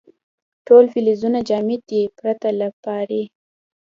ټول فلزونه جامد دي پرته له پارې.